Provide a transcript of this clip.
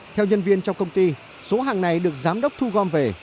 theo nhân viên trong công ty số hàng này được giám đốc thu gom về